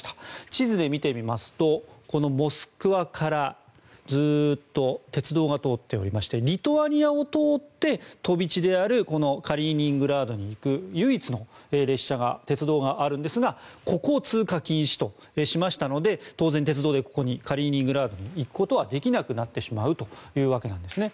地図で見てみますとこのモスクワからずっと鉄道が通っておりましてリトアニアを通って飛び地であるカリーニングラードに行く唯一の列車が、鉄道があるんですがここを通過禁止としましたので当然、鉄道でカリーニングラードに行くことができなくなってしまうというわけなんですね。